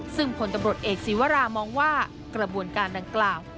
ซึ่งผลตำรวจเอกศีวรามองว่ากระบวนการดังกล่าว